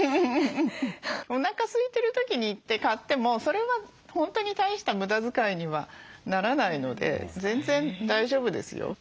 おなかすいてる時に行って買ってもそれは本当に大した無駄遣いにはならないので全然大丈夫ですよ。